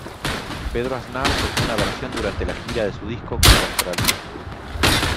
Pedro Aznar toco una versión durante la gira de su disco "Contraluz".